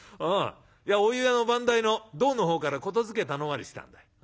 お湯屋の番台の胴のほうから言づけ頼まれてたんだ。